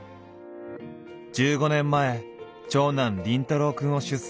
１５年前長男凛太郎くんを出産。